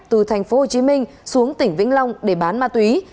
từ tp hồ chí minh xuống tỉnh vĩnh long để bán ma túy